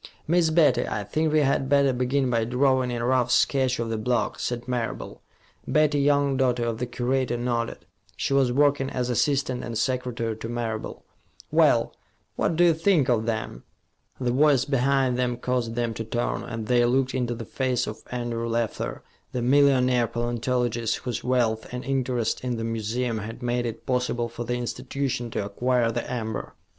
"Miss Betty, I think we had better begin by drawing a rough sketch of the block," said Marable. Betty Young, daughter of the curator, nodded. She was working as assistant and secretary to Marable. "Well what do you think of them?" The voice behind them caused them to turn, and they looked into the face of Andrew Leffler, the millionaire paleontologist, whose wealth and interest in the museum had made it possible for the institution to acquire the amber.